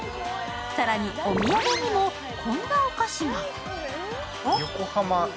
更にお土産にも、こんなお菓子が。